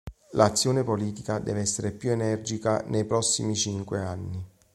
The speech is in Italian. L'azione politica deve essere più energica nei prossimi cinque anni.